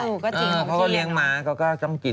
เออก็จริงพวกเขาเลี้ยงหมาก็ต้องกิน